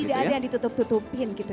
jadi tidak ada yang ditutup tutupin gitu ya